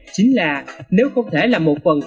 chính là nếu không thể là một phần